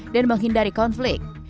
dan menghindari konflik